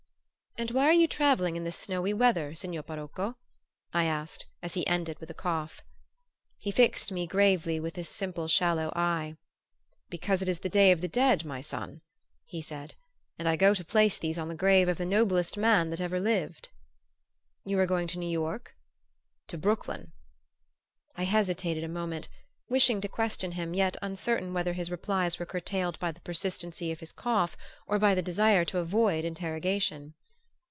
"And why are you travelling in this snowy weather, signor parocco?" I asked, as he ended with a cough. He fixed me gravely with his simple shallow eye. "Because it is the day of the dead, my son," he said, "and I go to place these on the grave of the noblest man that ever lived." "You are going to New York?" "To Brooklyn " I hesitated a moment, wishing to question him, yet uncertain whether his replies were curtailed by the persistency of his cough or by the desire to avoid interrogation.